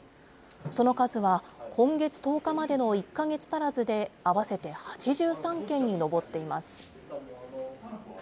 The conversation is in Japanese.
その数は今月１０日までの１か月足らずで合わせて８３件に上っています。